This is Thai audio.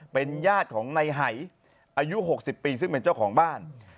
เป็นญาติของในหายอายุ๖๐ปีซึ่งเป็นเจ้าของบ้าน